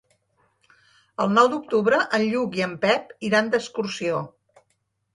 El nou d'octubre en Lluc i en Pep iran d'excursió.